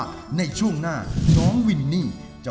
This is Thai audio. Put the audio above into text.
กลับมาฟังเพลง